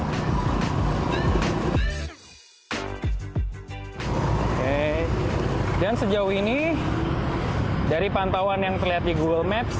oke dan sejauh ini dari pantauan yang terlihat di google maps